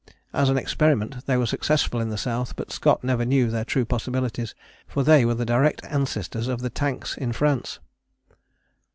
As an experiment they were successful in the South, but Scott never knew their true possibilities; for they were the direct ancestors of the 'tanks' in France.